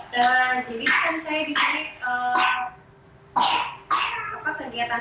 dan jadi kan saya di sini kegiatan saya sehari hari di rumah